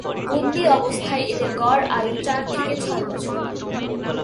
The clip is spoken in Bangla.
বন্দী অবস্থায় এদের গড় আয়ু চার থেকে ছয় বছর।